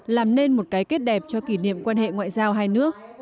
làm nên một cái kết đẹp cho kỷ niệm quan hệ ngoại giao hai nước